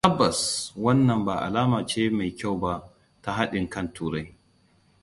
"Tabbas, wannan ba alama ce mai kyau ba ta hadin kan Turai. """